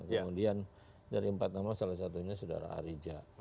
kemudian dari empat nama salah satunya saudara arija